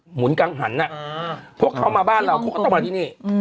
หุนกังหันพวกเขามาบ้านเราเขาก็ต้องมาที่นี่